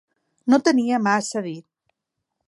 No tenia massa a dir.